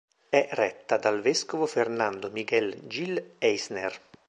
È retta dal vescovo Fernando Miguel Gil Eisner.